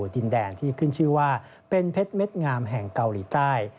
ดินแดนที่ขึ้นชื่อว่าเป็นเพชรเม็ดงามแห่งเกาหลีใต้